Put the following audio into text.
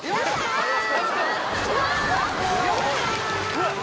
うわっ！